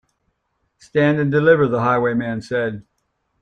Stand and deliver, the highwayman said.